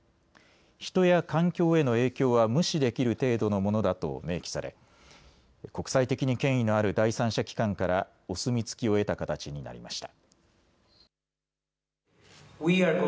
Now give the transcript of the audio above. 人や環境への影響は無視できる程度のものだと明記され国際的に権威のある第三者機関からお墨付きを得た形になりました。